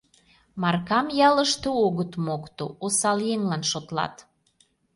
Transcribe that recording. Маркам ялыште огыт мокто, осал еҥлан шотлат.